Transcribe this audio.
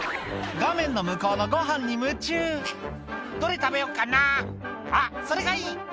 画面の向こうのごはんに夢中「どれ食べようかなあっそれがいい！」